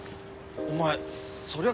お前そりゃ